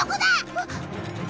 あっ！